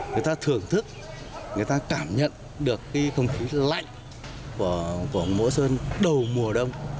người ta thưởng thức người ta cảm nhận được cái không khí lạnh của mùa sơn đầu mùa đông